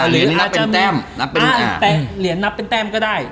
หรือนับเป็นแต้มนับเป็นเหรียญนับเป็นแต้มก็ได้